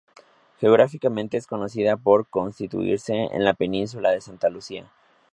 Geográficamente, es conocida por constituirse en la península de Santa Luzia.